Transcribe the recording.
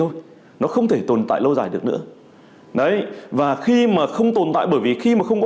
thôi nó không thể tồn tại lâu dài được nữa và khi mà không tồn tại bởi vì khi mà không có